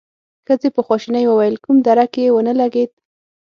ښځې په خواشينۍ وويل: کوم درک يې ونه لګېد؟